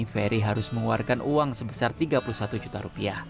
ferry harus mengeluarkan uang sebesar rp tiga puluh satu juta rupiah